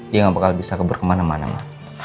dia gak bakal bisa kabur kemana mana ma